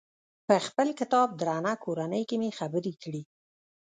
په خپل کتاب درنه کورنۍ کې مې خبرې کړي.